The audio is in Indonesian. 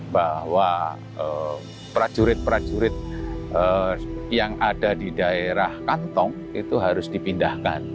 bahwa prajurit prajurit yang ada di daerah kantong itu harus dipindahkan